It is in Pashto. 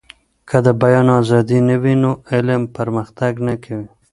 که د بيان ازادي نه وي نو علم پرمختګ نه کوي.